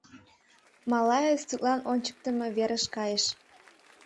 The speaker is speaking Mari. Малаец тудлан ончыктымо верыш кайыш.